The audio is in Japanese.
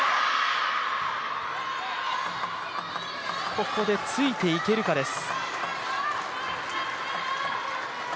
ここでついていけるかです。